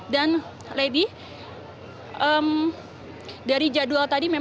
dan lady dari jadwal tadi